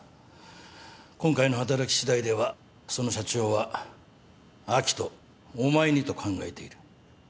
今回の働きしだいではその社長は明人お前にと考えている。